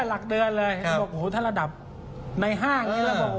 หลักเดือนเลยเห็นบอกโอ้โหถ้าระดับในห้างนี้แล้วบอก